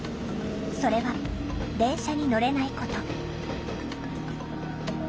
それは電車に乗れないこと。